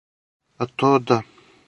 А то, да.